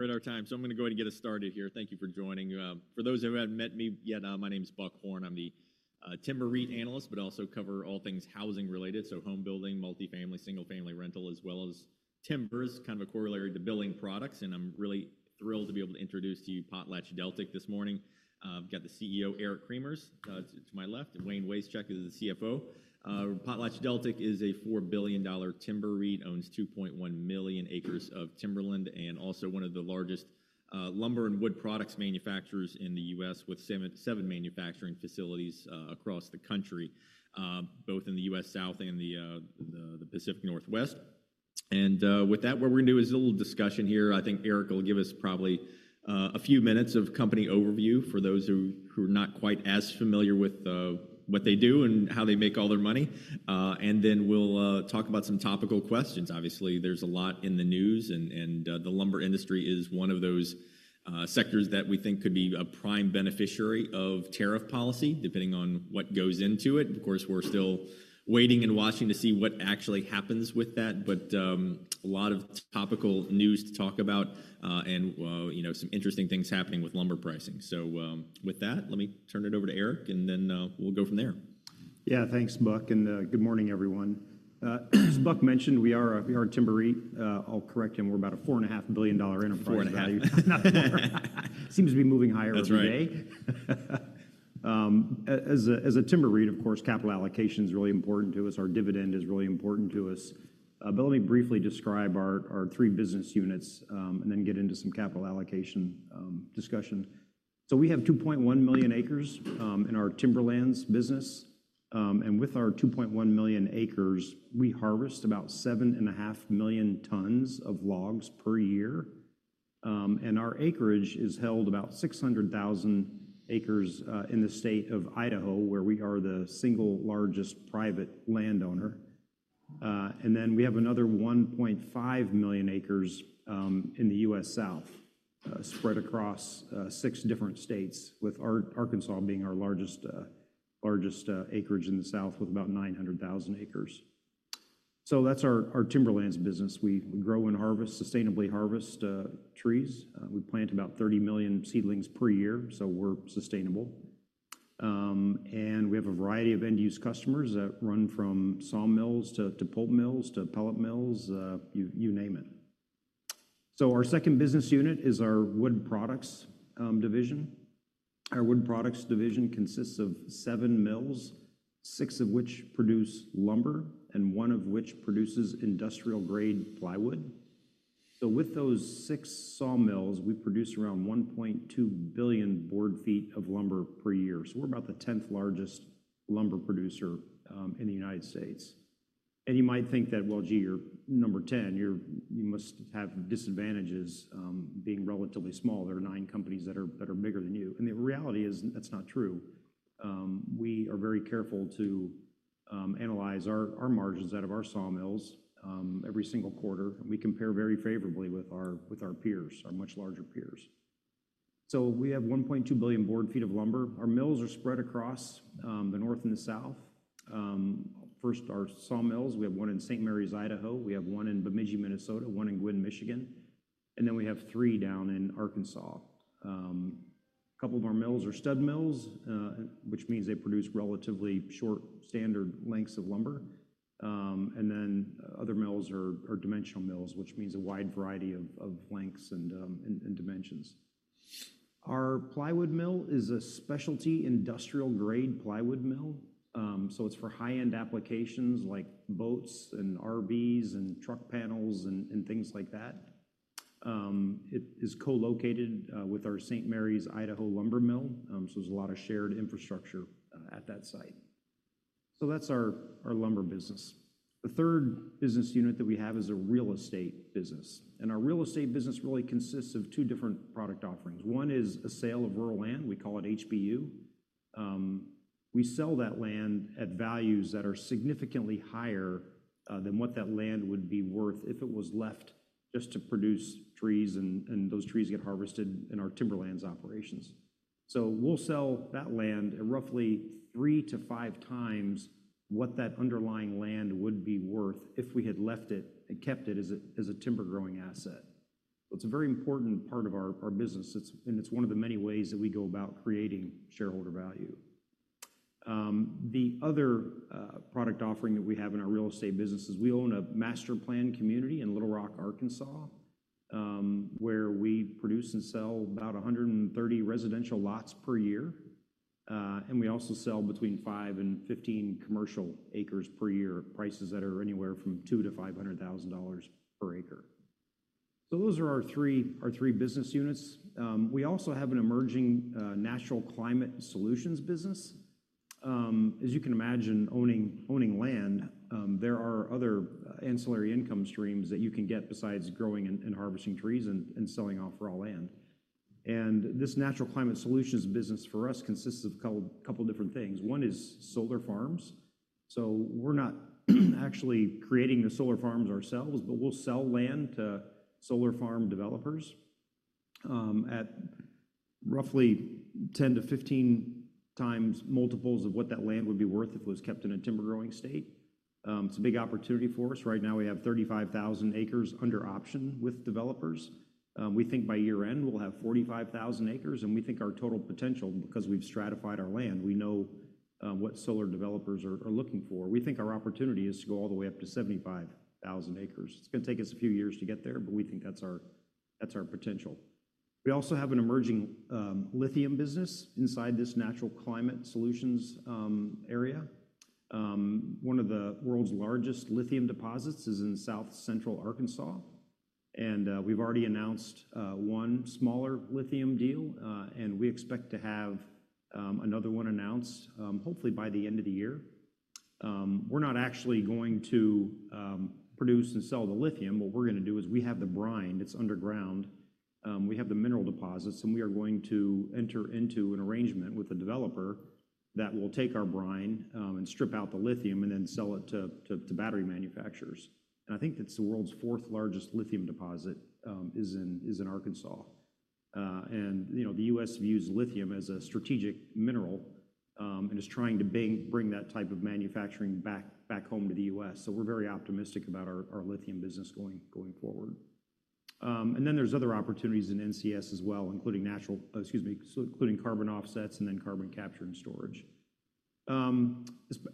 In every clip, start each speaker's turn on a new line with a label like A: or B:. A: Right on time. I'm going to go ahead and get us started here. Thank you for joining. For those who haven't met me yet, my name is Buck Horne. I'm the timber REIT analyst, but I also cover all things housing related. Home building, multifamily, single family, rental, as well as timber is kind of a corollary to building products. I'm really thrilled to be able to introduce to you PotlatchDeltic this morning. I've got the CEO, Eric Cremers, to my left, and Wayne Wasechek is the CFO. PotlatchDeltic is a $4 billion timber REIT, owns 2.1 million acres of timberland, and also one of the largest lumber and wood products manufacturers in the U.S., with seven manufacturing facilities across the country, both in the U.S. South and the Pacific Northwest. With that, what we're going to do is a little discussion here. I think Eric will give us probably a few minutes of company overview for those who are not quite as familiar with what they do and how they make all their money. And then we'll talk about some topical questions. Obviously, there's a lot in the news, and the lumber industry is one of those sectors that we think could be a prime beneficiary of tariff policy, depending on what goes into it. Of course, we're still waiting and watching to see what actually happens with that, but a lot of topical news to talk about and some interesting things happening with lumber pricing. So with that, let me turn it over to Eric, and then we'll go from there.
B: Yeah, thanks, Buck. And good morning, everyone. As Buck mentioned, we are a timber REIT. I'll correct him. We're about a $4.5 billion enterprise value. Seems to be moving higher every day. As a timber REIT, of course, capital allocation is really important to us. Our dividend is really important to us. But let me briefly describe our three business units and then get into some capital allocation discussion. So we have 2.1 million acres in our timberlands business. And with our 2.1 million acres, we harvest about 7.5 million tons of logs per year. And our acreage is held about 600,000 acres in the state of Idaho, where we are the single largest private landowner. And then we have another 1.5 million acres in the U.S. South, spread across six different states, with Arkansas being our largest acreage in the South, with about 900,000 acres. That's our Timberlands business. We grow and harvest, sustainably harvest trees. We plant about 30 million seedlings per year, so we're sustainable. And we have a variety of end-use customers that run from sawmills to pulp mills to pellet mills, you name it. Our second business unit is our wood products division. Our wood products division consists of seven mills, six of which produce lumber, and one of which produces industrial grade plywood. With those six sawmills, we produce around 1.2 billion board feet of lumber per year. We're about the 10th largest lumber producer in the United States. And you might think that, well, gee, you're number 10, you must have disadvantages being relatively small. There are nine companies that are bigger than you. And the reality is that's not true. We are very careful to analyze our margins out of our sawmills every single quarter, and we compare very favorably with our peers, our much larger peers. So we have 1.2 billion board feet of lumber. Our mills are spread across the north and the south. First, our sawmills, we have one in St. Maries, Idaho. We have one in Bemidji, Minnesota, one in Gwinn, Michigan. And then we have three down in Arkansas. A couple of our mills are stud mills, which means they produce relatively short standard lengths of lumber. And then other mills are dimensional mills, which means a wide variety of lengths and dimensions. Our plywood mill is a specialty industrial grade plywood mill. So it's for high-end applications like boats and RVs and truck panels and things like that. It is co-located with our St. Maries, Idaho lumber mill. So there's a lot of shared infrastructure at that site. So that's our lumber business. The third business unit that we have is a real estate business. And our real estate business really consists of two different product offerings. One is a sale of rural land. We call it HBU. We sell that land at values that are significantly higher than what that land would be worth if it was left just to produce trees and those trees get harvested in our timberlands operations. So we'll sell that land at roughly three to five times what that underlying land would be worth if we had left it and kept it as a timber-growing asset. So it's a very important part of our business, and it's one of the many ways that we go about creating shareholder value. The other product offering that we have in our real estate business is we own a master plan community in Little Rock, Arkansas, where we produce and sell about 130 residential lots per year, and we also sell between five and 15 commercial acres per year, prices that are anywhere from $2,000-$500,000 per acre, so those are our three business units. We also have an emerging Natural Climate Solutions business. As you can imagine, owning land, there are other ancillary income streams that you can get besides growing and harvesting trees and selling off raw land, and this Natural Climate Solutions business for us consists of a couple of different things. One is solar farms. We're not actually creating the solar farms ourselves, but we'll sell land to solar farm developers at roughly 10-15x multiples of what that land would be worth if it was kept in a timber-growing state. It's a big opportunity for us. Right now, we have 35,000 acres under option with developers. We think by year-end, we'll have 45,000 acres. And we think our total potential, because we've stratified our land, we know what solar developers are looking for. We think our opportunity is to go all the way up to 75,000 acres. It's going to take us a few years to get there, but we think that's our potential. We also have an emerging lithium business inside this Natural Climate Solutions area. One of the world's largest lithium deposits is in South Central Arkansas. We've already announced one smaller lithium deal, and we expect to have another one announced, hopefully by the end of the year. We're not actually going to produce and sell the lithium. What we're going to do is we have the brine. It's underground. We have the mineral deposits, and we are going to enter into an arrangement with a developer that will take our brine and strip out the lithium and then sell it to battery manufacturers. I think that's the world's fourth largest lithium deposit is in Arkansas. The U.S. views lithium as a strategic mineral and is trying to bring that type of manufacturing back home to the U.S. We're very optimistic about our lithium business going forward. Then there's other opportunities in NCS as well, including carbon offsets and then carbon capture and storage.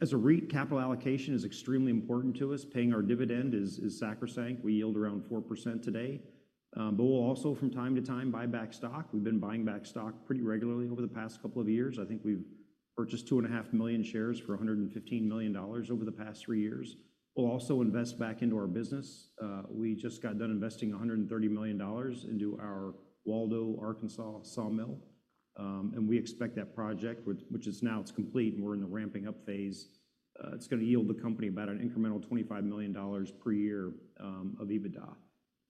B: As a REIT, capital allocation is extremely important to us. Paying our dividend is sacrosanct. We yield around 4% today, but we'll also, from time to time, buy back stock. We've been buying back stock pretty regularly over the past couple of years. I think we've purchased 2.5 million shares for $115 million over the past three years. We'll also invest back into our business. We just got done investing $130 million into our Waldo, Arkansas sawmill, and we expect that project, which is now, it's complete, and we're in the ramping up phase. It's going to yield the company about an incremental $25 million per year of EBITDA,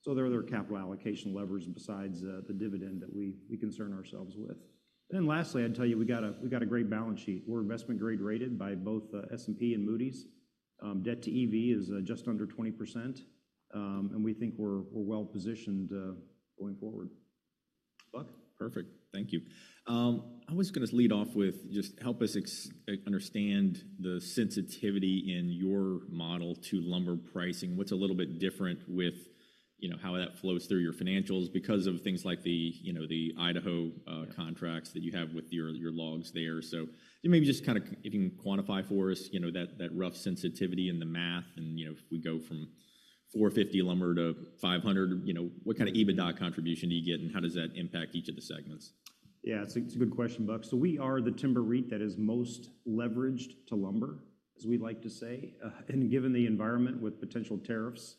B: so there are other capital allocation levers besides the dividend that we concern ourselves with, and then lastly, I'd tell you we've got a great balance sheet. We're investment grade rated by both S&P and Moody's. Debt to EV is just under 20%. And we think we're well positioned going forward.
A: Buck, perfect. Thank you. I was going to lead off with just help us understand the sensitivity in your model to lumber pricing, what's a little bit different with how that flows through your financials because of things like the Idaho contracts that you have with your logs there. So maybe just kind of, if you can quantify for us that rough sensitivity in the math and if we go from $450 lumber to $500, what kind of EBITDA contribution do you get and how does that impact each of the segments?
B: Yeah, it's a good question, Buck. So we are the timber REIT that is most leveraged to lumber, as we like to say, and given the environment with potential tariffs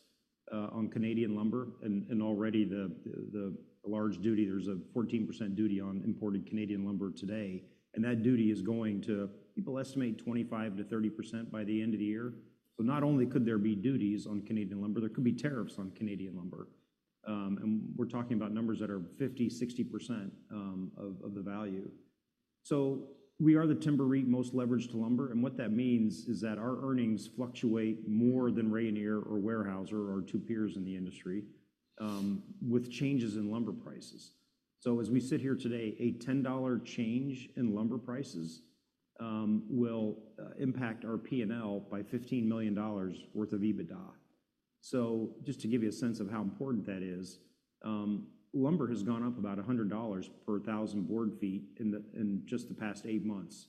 B: on Canadian lumber and already the large duty, there's a 14% duty on imported Canadian lumber today. And that duty is going to, people estimate, 25%-30% by the end of the year. So not only could there be duties on Canadian lumber, there could be tariffs on Canadian lumber. And we're talking about numbers that are 50%-60% of the value. So we are the timber REIT most leveraged to lumber. And what that means is that our earnings fluctuate more than Rayonier or Weyerhaeuser or our two peers in the industry with changes in lumber prices. So as we sit here today, a $10 change in lumber prices will impact our P&L by $15 million worth of EBITDA. So just to give you a sense of how important that is, lumber has gone up about $100 per 1,000 board feet in just the past eight months.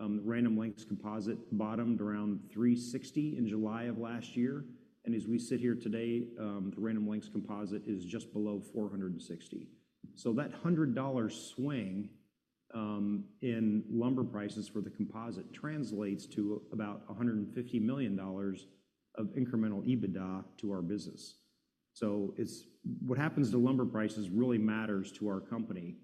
B: Random Lengths composite bottomed around 360 in July of last year. And as we sit here today, the Random Lengths composite is just below 460. So that $100 swing in lumber prices for the composite translates to about $150 million of incremental EBITDA to our business. So what happens to lumber prices really matters to our company.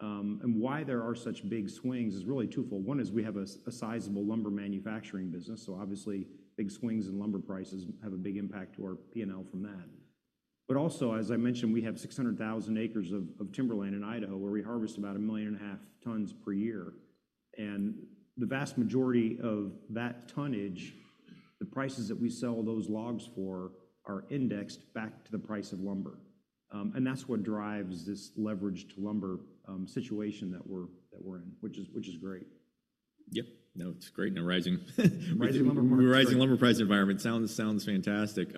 B: And why there are such big swings is really twofold. One is we have a sizable lumber manufacturing business. So obviously, big swings in lumber prices have a big impact to our P&L from that. But also, as I mentioned, we have 600,000 acres of timberland in Idaho where we harvest about 1.5 million tons per year. And the vast majority of that tonnage, the prices that we sell those logs for are indexed back to the price of lumber. And that's what drives this leveraged to lumber situation that we're in, which is great.
A: Yep. No, it's great in a rising lumber price environment. Sounds fantastic.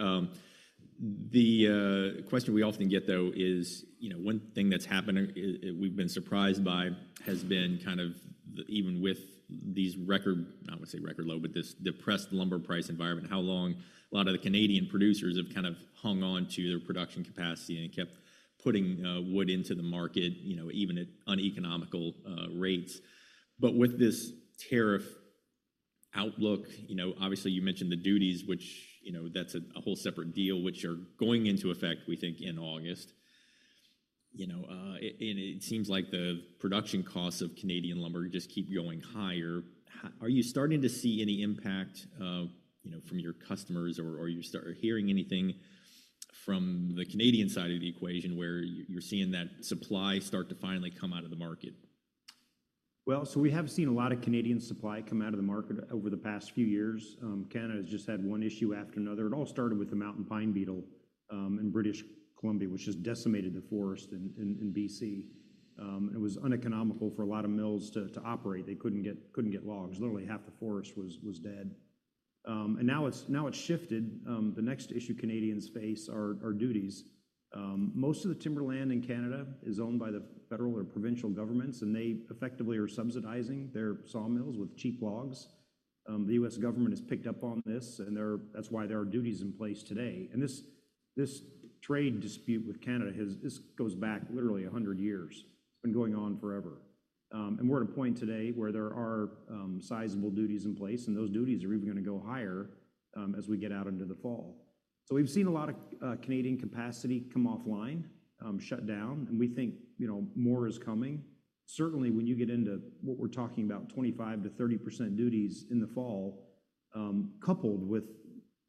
A: The question we often get, though, is one thing that's happened we've been surprised by has been kind of even with these record, I would say record low, but this depressed lumber price environment, how long a lot of the Canadian producers have kind of hung on to their production capacity and kept putting wood into the market, even at uneconomical rates. But with this tariff outlook, obviously, you mentioned the duties, which, that's a whole separate deal, which are going into effect, we think, in August. And it seems like the production costs of Canadian lumber just keep going higher. Are you starting to see any impact from your customers or are you hearing anything from the Canadian side of the equation where you're seeing that supply start to finally come out of the market?
B: Well, so we have seen a lot of Canadian supply come out of the market over the past few years. Canada has just had one issue after another. It all started with the mountain pine beetle in British Columbia, which just decimated the forest in BC. It was uneconomical for a lot of mills to operate. They couldn't get logs. Literally, half the forest was dead. And now it's shifted. The next issue Canadians face are duties. Most of the timberland in Canada is owned by the federal or provincial governments, and they effectively are subsidizing their sawmills with cheap logs. The U.S. government has picked up on this, and that's why there are duties in place today. And this trade dispute with Canada goes back literally 100 years. It's been going on forever. And we're at a point today where there are sizable duties in place, and those duties are even going to go higher as we get out into the fall. So we've seen a lot of Canadian capacity come offline, shut down, and we think more is coming. Certainly, when you get into what we're talking about, 25%-30% duties in the fall, coupled with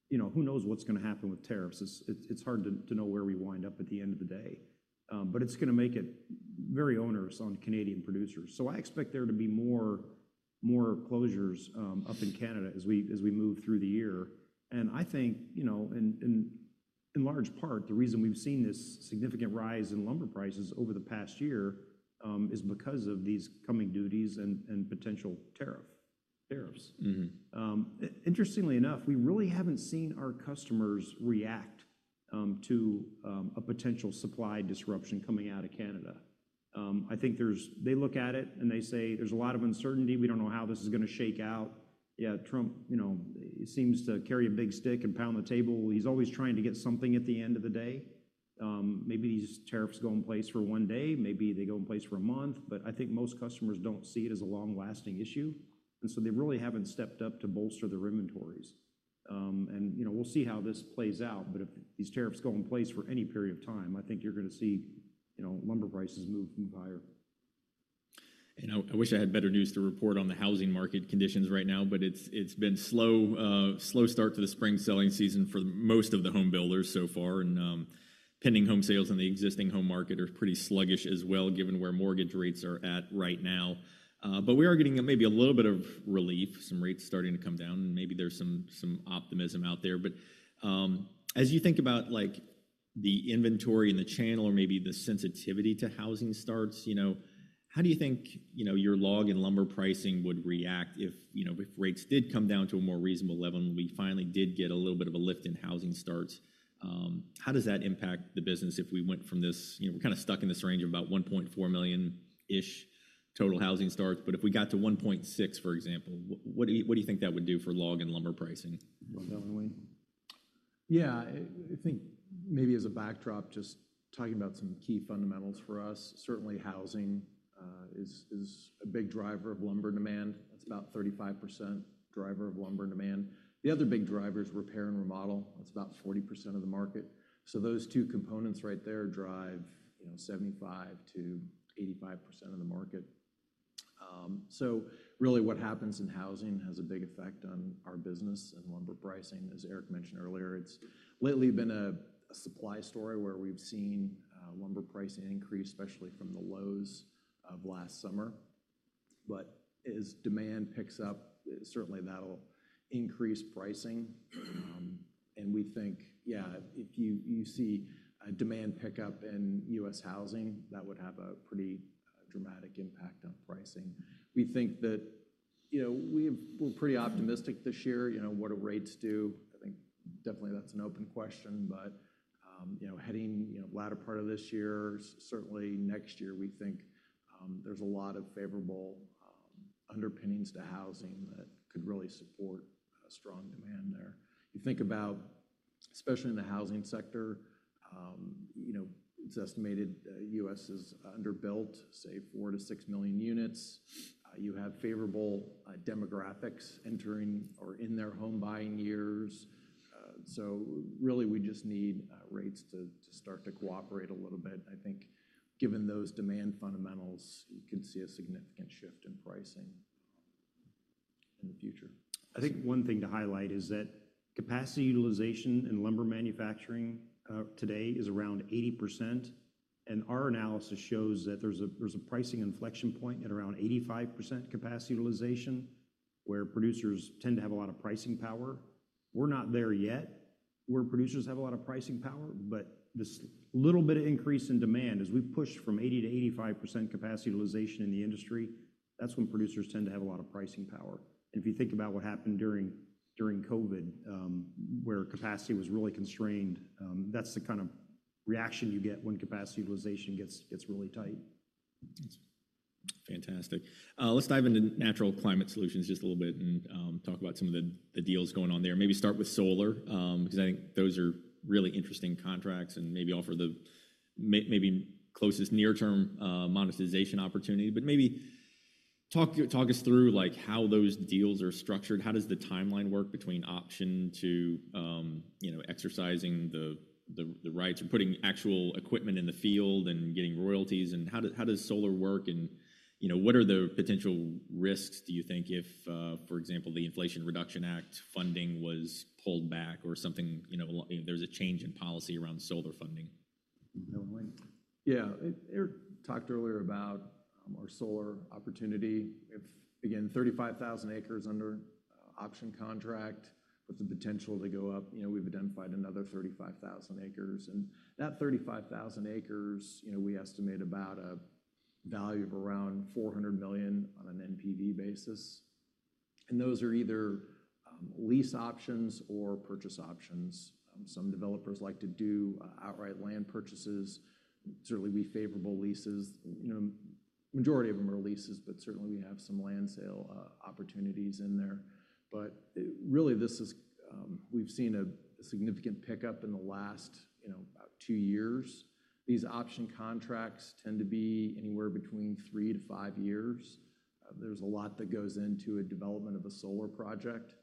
B: who knows what's going to happen with tariffs, it's hard to know where we wind up at the end of the day. But it's going to make it very onerous on Canadian producers. So I expect there to be more closures up in Canada as we move through the year. And I think, in large part, the reason we've seen this significant rise in lumber prices over the past year is because of these coming duties and potential tariffs. Interestingly enough, we really haven't seen our customers react to a potential supply disruption coming out of Canada. I think they look at it and they say, "There's a lot of uncertainty. We don't know how this is going to shake out." Yeah, Trump seems to carry a big stick and pound the table. He's always trying to get something at the end of the day. Maybe these tariffs go in place for one day. Maybe they go in place for a month. But I think most customers don't see it as a long-lasting issue. And so they really haven't stepped up to bolster their inventories. And we'll see how this plays out. But if these tariffs go in place for any period of time, I think you're going to see lumber prices move higher.
A: And I wish I had better news to report on the housing market conditions right now, but it's been a slow start to the spring selling season for most of the homebuilders so far. And pending home sales in the existing home market are pretty sluggish as well, given where mortgage rates are at right now. But we are getting maybe a little bit of relief, some rates starting to come down, and maybe there's some optimism out there. But as you think about the inventory and the channel or maybe the sensitivity to housing starts, how do you think your log and lumber pricing would react if rates did come down to a more reasonable level and we finally did get a little bit of a lift in housing starts? How does that impact the business if we went from this? We're kind of stuck in this range of about 1.4 million-ish total housing starts. But if we got to 1.6, for example, what do you think that would do for log and lumber pricing?
C: Yeah, I think maybe as a backdrop, just talking about some key fundamentals for us, certainly housing is a big driver of lumber demand. That's about 35% driver of lumber demand. The other big driver is repair and remodel. That's about 40% of the market. So those two components right there drive 75%-85% of the market. So really what happens in housing has a big effect on our business and lumber pricing. As Eric mentioned earlier, it's lately been a supply story where we've seen lumber pricing increase, especially from the lows of last summer. But as demand picks up, certainly that'll increase pricing. And we think, yeah, if you see a demand pickup in U.S. housing, that would have a pretty dramatic impact on pricing. We think that we're pretty optimistic this year. What do rates do? I think definitely that's an open question. But heading the latter part of this year, certainly next year, we think there's a lot of favorable underpinnings to housing that could really support strong demand there. You think about, especially in the housing sector, it's estimated U.S. is underbuilt, say, four to six million units. You have favorable demographics entering or in their home buying years. So really we just need rates to start to cooperate a little bit. I think given those demand fundamentals, you can see a significant shift in pricing in the future.
B: I think one thing to highlight is that capacity utilization in lumber manufacturing today is around 80%, and our analysis shows that there's a pricing inflection point at around 85% capacity utilization, where producers tend to have a lot of pricing power. We're not there yet where producers have a lot of pricing power, but this little bit of increase in demand, as we push from 80 to 85% capacity utilization in the industry, that's when producers tend to have a lot of pricing power, and if you think about what happened during COVID, where capacity was really constrained, that's the kind of reaction you get when capacity utilization gets really tight.
A: Fantastic. Let's dive into Natural Climate Solutions just a little bit and talk about some of the deals going on there. Maybe start with solar because I think those are really interesting contracts and maybe offer the maybe closest near-term monetization opportunity. But maybe talk us through how those deals are structured. How does the timeline work between option to exercising the rights or putting actual equipment in the field and getting royalties? And how does solar work? And what are the potential risks, do you think, if, for example, the Inflation Reduction Act funding was pulled back or something, there's a change in policy around solar funding?
C: Yeah, Eric talked earlier about our solar opportunity. We have, again, 35,000 acres under option contract with the potential to go up. We've identified another 35,000 acres. And that 35,000 acres, we estimate about a value of around $400 million on an NPV basis. And those are either lease options or purchase options. Some developers like to do outright land purchases, certainly be favorable leases. Majority of them are leases, but certainly we have some land sale opportunities in there. But really, we've seen a significant pickup in the last two years. These option contracts tend to be anywhere between 3-5 years. There's a lot that goes into a development of a solar project.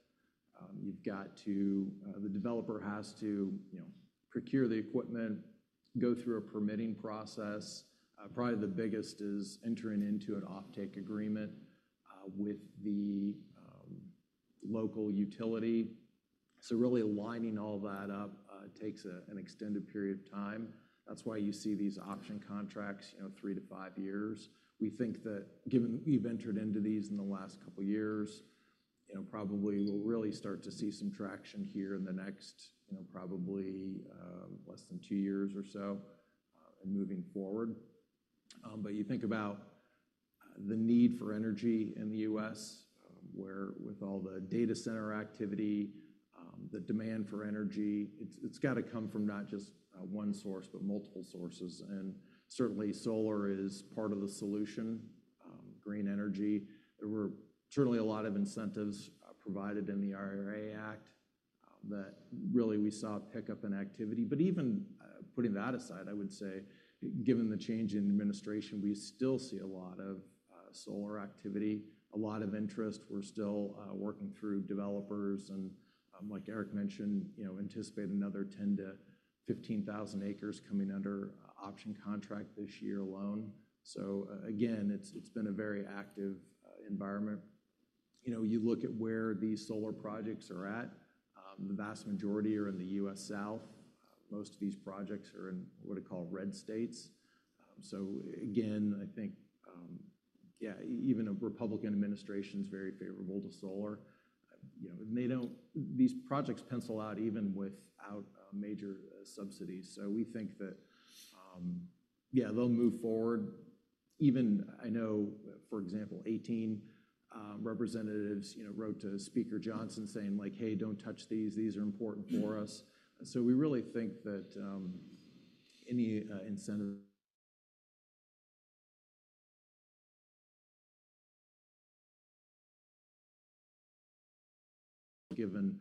C: The developer has to procure the equipment, go through a permitting process. Probably the biggest is entering into an off-take agreement with the local utility. Really aligning all that up takes an extended period of time. That's why you see these option contracts, three to five years. We think that given we've entered into these in the last couple of years, probably we'll really start to see some traction here in the next probably less than two years or so and moving forward. But you think about the need for energy in the U.S., where with all the data center activity, the demand for energy, it's got to come from not just one source, but multiple sources. And certainly solar is part of the solution, green energy. There were certainly a lot of incentives provided in the IRA Act that really we saw a pickup in activity. But even putting that aside, I would say, given the change in administration, we still see a lot of solar activity, a lot of interest. We're still working through developers. And like Eric mentioned, anticipate another 10,000-15,000 acres coming under option contract this year alone. So again, it's been a very active environment. You look at where these solar projects are at, the vast majority are in the US South. Most of these projects are in what I call red states. So again, I think, yeah, even a Republican administration is very favorable to solar. These projects pencil out even without major subsidies. So we think that, yeah, they'll move forward. Even I know, for example, 18 representatives wrote to Speaker Johnson saying, "Hey, don't touch these. These are important for us." So we really think that any incentive, given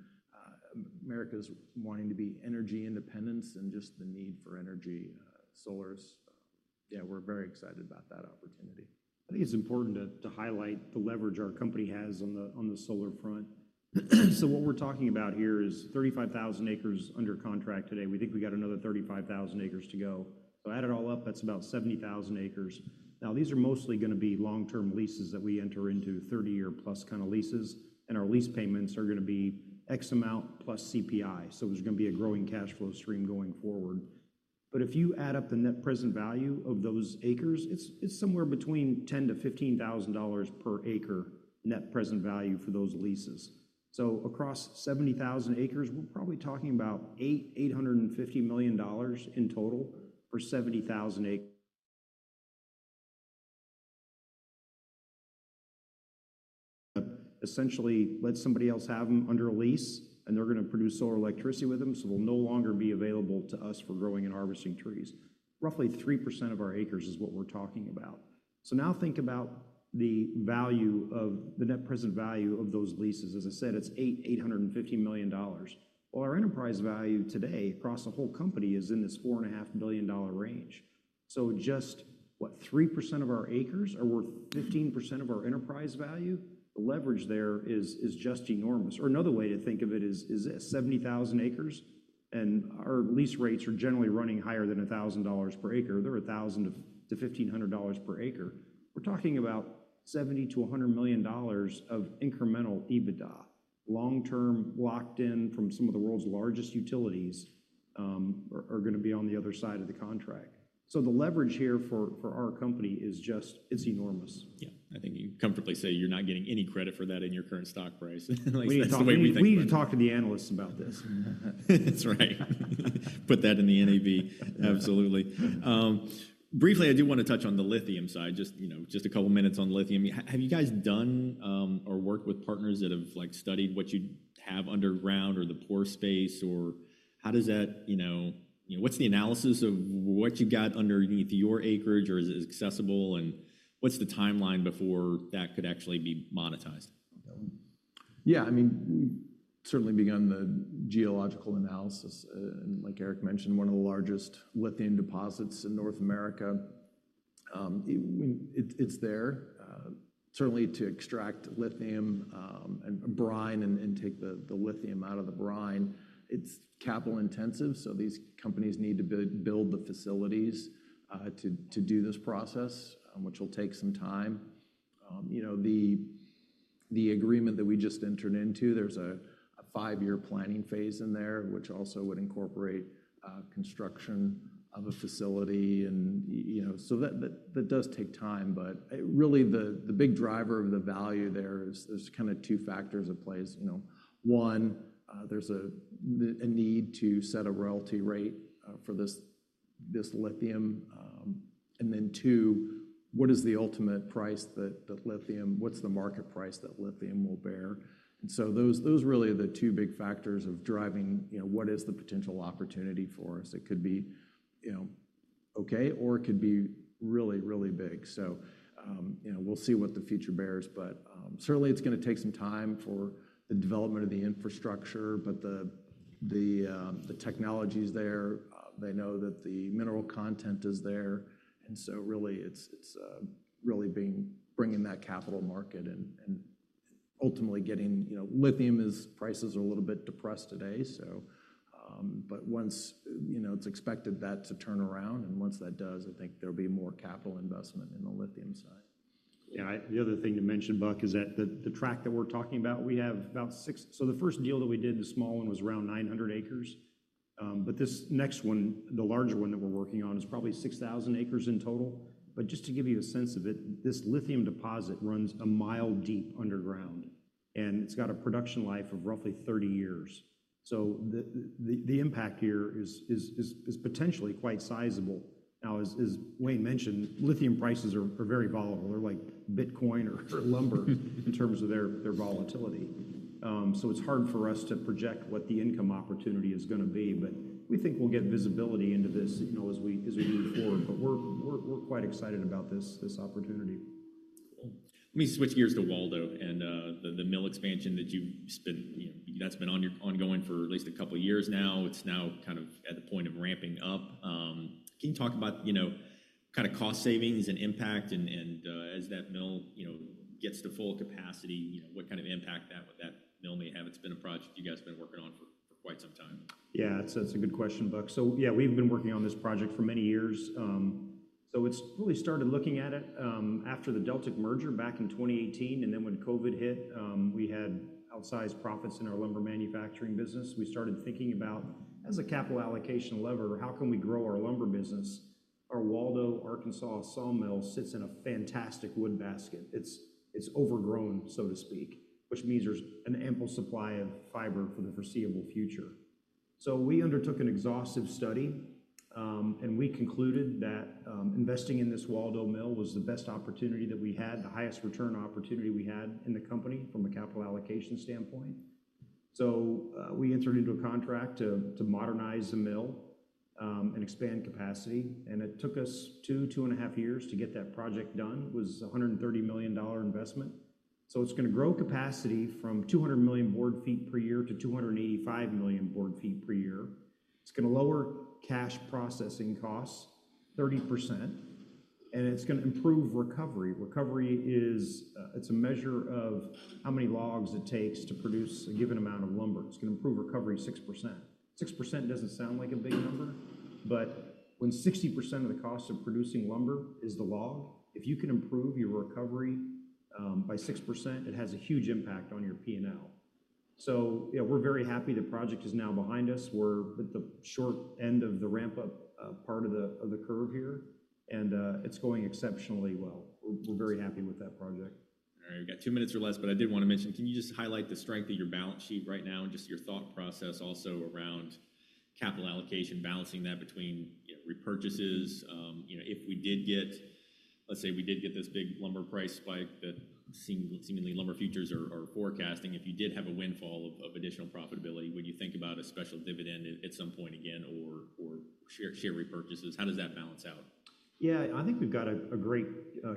C: America's wanting to be energy independence and just the need for energy, solar, yeah, we're very excited about that opportunity.
B: I think it's important to highlight the leverage our company has on the solar front. So what we're talking about here is 35,000 acres under contract today. We think we got another 35,000 acres to go. So add it all up, that's about 70,000 acres. Now, these are mostly going to be long-term leases that we enter into, 30+ year kind of leases. And our lease payments are going to be X amount plus CPI. So there's going to be a growing cash flow stream going forward. But if you add up the net present value of those acres, it's somewhere between $10,000-$15,000 per acre net present value for those leases. So across 70,000 acres, we're probably talking about $850 million in total for 70,000 acres. Essentially, let somebody else have them under a lease, and they're going to produce solar electricity with them, so they'll no longer be available to us for growing and harvesting trees. Roughly 3% of our acres is what we're talking about. So now think about the value of the net present value of those leases. As I said, it's $850 million. Well, our enterprise value today across the whole company is in this $4.5 billion range. So just what, 3% of our acres are worth 15% of our enterprise value? The leverage there is just enormous. Or another way to think of it is this: 70,000 acres, and our lease rates are generally running higher than $1,000 per acre. They're $1,000-$1,500 per acre. We're talking about $70-$100 million of incremental EBITDA. Long-term locked in from some of the world's largest utilities are going to be on the other side of the contract, so the leverage here for our company is just, it's enormous.
A: Yeah, I think you comfortably say you're not getting any credit for that in your current stock price.
B: We need to talk to the analysts about this.
A: That's right. Put that in the NAV. Absolutely. Briefly, I do want to touch on the lithium side, just a couple of minutes on lithium. Have you guys done or worked with partners that have studied what you have underground or the pore space? Or how does that, what's the analysis of what you got underneath your acreage? Or is it accessible, and what's the timeline before that could actually be monetized?
C: Yeah, I mean, we've certainly begun the geological analysis. And, like Eric mentioned, one of the largest lithium deposits in North America, it's there. Certainly, to extract lithium and brine and take the lithium out of the brine, it's capital intensive. So these companies need to build the facilities to do this process, which will take some time. The agreement that we just entered into, there's a five-year planning phase in there, which also would incorporate construction of a facility. And so that does take time. But really, the big driver of the value there is there's kind of two factors at play. One, there's a need to set a royalty rate for this lithium. And then two, what is the ultimate price that lithium, what's the market price that lithium will bear? And so those really are the two big factors of driving what is the potential opportunity for us. It could be okay, or it could be really, really big. So we'll see what the future bears. But certainly, it's going to take some time for the development of the infrastructure, but the technology's there. They know that the mineral content is there. And so really, it's really bringing that capital market and ultimately getting lithium as prices are a little bit depressed today. But once it's expected that to turn around, and once that does, I think there'll be more capital investment in the lithium side.
B: Yeah, the other thing to mention, Buck, is that the tract that we're talking about, we have about six. So the first deal that we did, the small one was around 900 acres. But this next one, the larger one that we're working on is probably 6,000 acres in total. But just to give you a sense of it, this lithium deposit runs a mile deep underground. And it's got a production life of roughly 30 years. So the impact here is potentially quite sizable. Now, as Wayne mentioned, lithium prices are very volatile. They're like Bitcoin or lumber in terms of their volatility. So it's hard for us to project what the income opportunity is going to be. But we think we'll get visibility into this as we move forward. But we're quite excited about this opportunity.
A: Let me switch gears to Waldo and the mill expansion that's been ongoing for at least a couple of years now. It's now kind of at the point of ramping up. Can you talk about kind of cost savings and impact, and as that mill gets to full capacity, what kind of impact that mill may have? It's been a project you guys have been working on for quite some time.
B: Yeah, that's a good question, Buck. So yeah, we've been working on this project for many years. So it's really started looking at it after the Deltic merger back in 2018. And then when COVID hit, we had outsized profits in our lumber manufacturing business. We started thinking about, as a capital allocation lever, how can we grow our lumber business? Our Waldo, Arkansas sawmill sits in a fantastic wood basket. It's overgrown, so to speak, which means there's an ample supply of fiber for the foreseeable future. So we undertook an exhaustive study, and we concluded that investing in this Waldo mill was the best opportunity that we had, the highest return opportunity we had in the company from a capital allocation standpoint. So we entered into a contract to modernize the mill and expand capacity. It took us two, two and a half years to get that project done. It was a $130 million investment. It's going to grow capacity from 200 million board feet per year to 285 million board feet per year. It's going to lower cash processing costs 30%. It's going to improve recovery. Recovery is, it's a measure of how many logs it takes to produce a given amount of lumber. It's going to improve recovery 6%. 6% doesn't sound like a big number, but when 60% of the cost of producing lumber is the log, if you can improve your recovery by 6%, it has a huge impact on your P&L. We're very happy the project is now behind us. We're at the short end of the ramp-up part of the curve here. It's going exceptionally well. We're very happy with that project.
A: All right, we've got two minutes or less, but I did want to mention, can you just highlight the strength of your balance sheet right now and just your thought process also around capital allocation, balancing that between repurchases? If we did get, let's say we did get this big lumber price spike that seemingly lumber futures are forecasting, if you did have a windfall of additional profitability, would you think about a special dividend at some point again or share repurchases? How does that balance out?
B: Yeah, I think we've got a great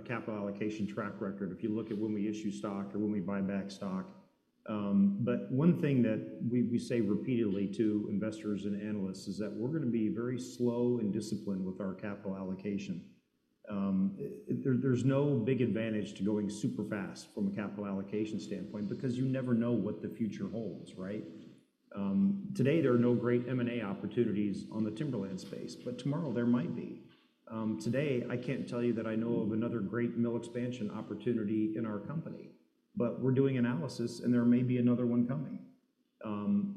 B: capital allocation track record. If you look at when we issue stock or when we buy back stock. But one thing that we say repeatedly to investors and analysts is that we're going to be very slow and disciplined with our capital allocation. There's no big advantage to going super fast from a capital allocation standpoint because you never know what the future holds, right? Today, there are no great M&A opportunities on the timberland space, but tomorrow there might be. Today, I can't tell you that I know of another great mill expansion opportunity in our company. But we're doing analysis, and there may be another one coming.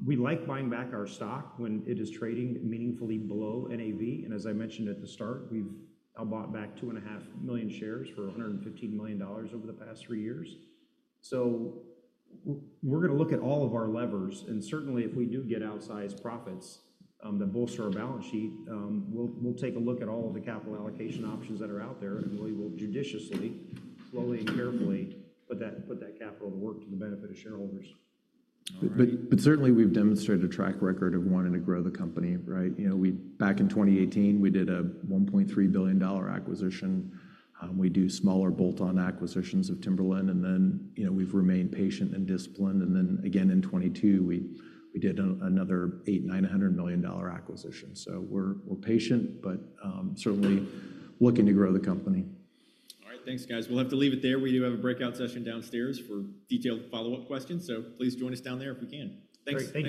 B: We like buying back our stock when it is trading meaningfully below NAV. And as I mentioned at the start, we've bought back 2.5 million shares for $115 million over the past three years. So we're going to look at all of our levers. And certainly, if we do get outsized profits that bolster our balance sheet, we'll take a look at all of the capital allocation options that are out there and we will judiciously, slowly and carefully put that capital to work to the benefit of shareholders.
C: But certainly, we've demonstrated a track record of wanting to grow the company, right? Back in 2018, we did a $1.3 billion acquisition. We do smaller bolt-on acquisitions of timberland. And then we've remained patient and disciplined. And then again, in 2022, we did another $890 million acquisition. So we're patient, but certainly looking to grow the company.
A: All right, thanks guys. We'll have to leave it there. We do have a breakout session downstairs for detailed follow-up questions. So please join us down there if we can. Thanks.